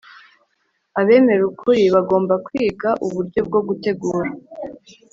Abemera ukuri bagomba kwiga uburyo bwo gutegura